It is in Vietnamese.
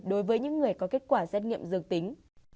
đối với những người có kết quả xét nghiệm dương tính